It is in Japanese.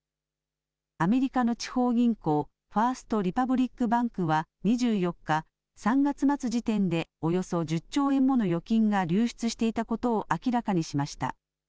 アメリカの地方銀行、ファースト・リパブリック・バンクは２４日、３月末時点でおよそ１０兆円もの預金が流出していたことを明らかにしました。